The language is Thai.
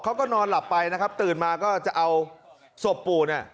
เขาก็นอนหลับไปตื่นมาก็จะเอาศพปู่